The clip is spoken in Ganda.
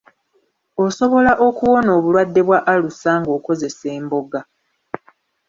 Osobola okuwona obulwadde bwa alusa ng'okozesa emboga.